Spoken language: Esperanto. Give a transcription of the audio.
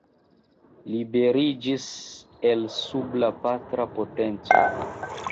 Liberiĝis el sub la patra potenco.